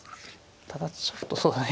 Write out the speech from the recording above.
ただちょっとそうだね